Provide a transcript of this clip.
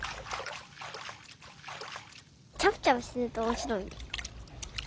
チャプチャプしてるとおもしろい。